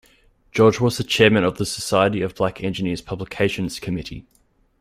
George was the Chairman of the Society of Black Engineers' Publications Committee.